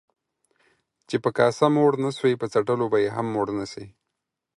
چي په کاسه موړ نسوې ، په څټلو به يې هم موړ نسې.